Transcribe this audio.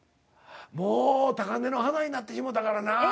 もう高嶺の花になってしもたからな。